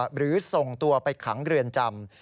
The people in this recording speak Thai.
หรือส่งตัวไปขังเรือนจำ